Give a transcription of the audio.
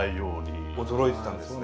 驚いてたんですね。